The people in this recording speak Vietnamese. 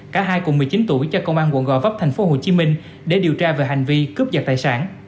cả hai cùng một mươi chín tuổi cho công an quận gò vấp tp hcm để điều tra về hành vi cướp giật tài sản